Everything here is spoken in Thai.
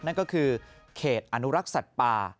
นั่นก็คือเขตอนุรักษณะปลา